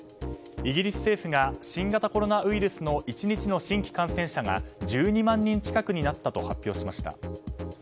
イギリス政府が新型コロナウイルスの１日の新規感染者が１２万人近くになったと発表しました。